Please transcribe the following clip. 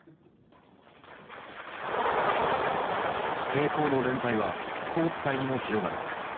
抵抗の連帯はスポーツ界にも広がる。